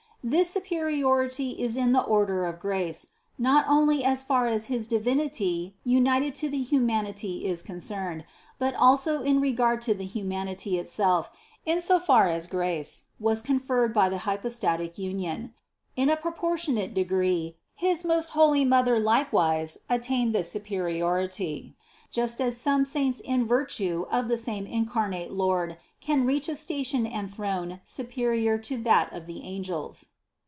This superiority is in the order of grace, not only as far as His Divinity united to the humanity is concerned, but also in regard to the hu manity itself in so far as grace was conferred by the hy postatic union. In a proportionate degree his most holy THE CONCEPTION 69 Mother likewise attained this superiority, just as some saints in virtue of the same incarnate Lord can reach a station and throne superior to that of the angels.